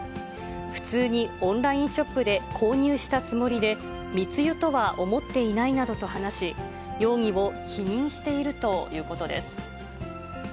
普通にオンラインショップで購入したつもりで、密輸とは思っていないなどと話し、容疑を否認しているということです。